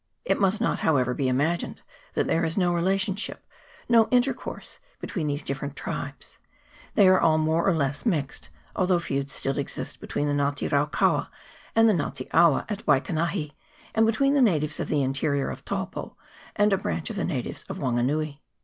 It must not, however, be imagined that there is no relationship, no intercourse between these dif ferent tribes : they are all more or less mixed, although feuds still exist between the Nga te rau kaua and the Nga te awa at Waikanahi, and between VOL. i. o 194 NATIVES INHABITING [PART I. the natives of the interior of Taupo and a branch of the natives of Wanganui.